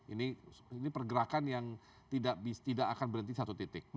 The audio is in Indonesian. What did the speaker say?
ini pergerakan yang tidak akan berhenti satu titik